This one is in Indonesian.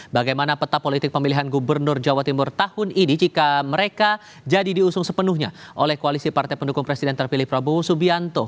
bagaimana peta politik pemilihan gubernur jawa timur tahun ini jika mereka jadi diusung sepenuhnya oleh koalisi partai pendukung presiden terpilih prabowo subianto